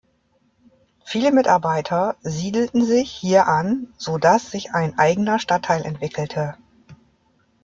Viele Mitarbeiter siedelten sich hier an, so dass sich ein eigener Stadtteil entwickelte.